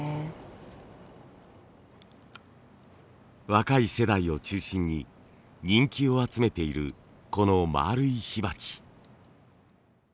若い世代を中心に人気を集めているこのまるい火鉢。